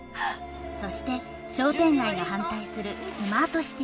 そして商店街が反対するスマートシティ計画。